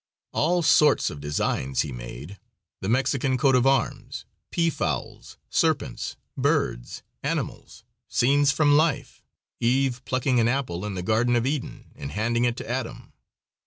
All sorts of designs he made the Mexican coat of arms, pea fowls, serpents, birds, animals, scenes from life, Eve plucking an apple in the Garden of Eden and handing it to Adam.